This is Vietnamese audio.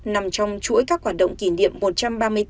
nằm trong chuỗi các hoạt động kỷ niệm